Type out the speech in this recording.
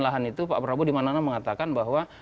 lahan itu pak prabowo dimana mana mengatakan bahwa